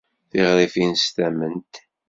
Tiɣrifin s tamemt.